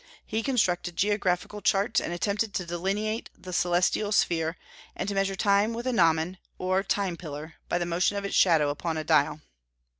He constructed geographical charts, and attempted to delineate the celestial sphere, and to measure time with a gnomon, or time pillar, by the motion of its shadow upon a dial.